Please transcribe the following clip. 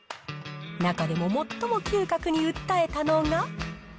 中でも最も嗅覚に訴えたのが。